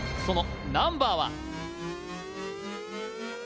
そのナンバーは？